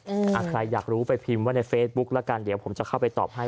อ่ะใครอยากรู้ไปพิมพ์ไว้ในเฟซบุ๊คละกันเดี๋ยวผมจะเข้าไปตอบให้